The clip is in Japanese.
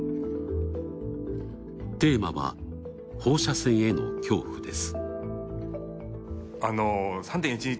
テーマは放射線への恐怖です。